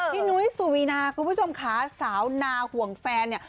นุ้ยสุวีนาคุณผู้ชมค่ะสาวนาห่วงแฟนเนี่ย